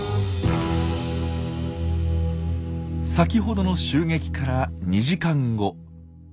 先ほどの襲撃から２時間後。